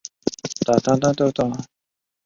砂石狸藻为狸藻属小型一年生陆生食虫植物。